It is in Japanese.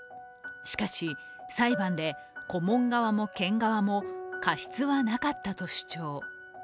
しかし裁判で顧問側も県側も過失はなかったと主張。